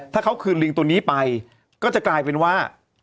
ถ้าเขาคืนลิงตัวนี้ไปก็จะกลายเป็นว่า